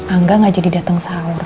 angga gak jadi datang sahur